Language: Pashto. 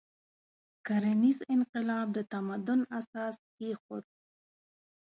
کرنیز انقلاب د تمدن اساس کېښود.